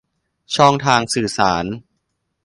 ช่องทางสื่อสาร